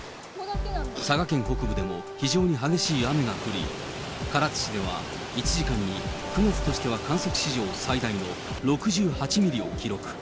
佐賀県北部でも、非常に激しい雨が降り、唐津市では、１時間に９月としては観測史上最大の６８ミリを記録。